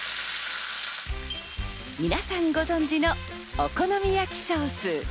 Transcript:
皆さんご存知のお好み焼きソース。